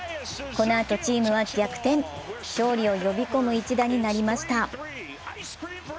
このあとチームは逆転、勝利を呼び込む一打になりました。